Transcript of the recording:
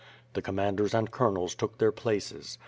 The commanders and colonels took their places.